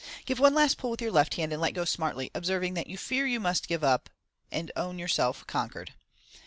Give one last pull with your left hand, and let go smartly, observing that you fear you must give it up, and own yourself conquered.